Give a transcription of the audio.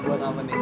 buat apa nih